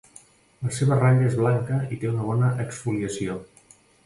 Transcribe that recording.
La seva ratlla és blanca i té una bona exfoliació.